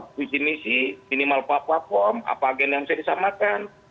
di sini sih minimal paham apa agen yang bisa disamakan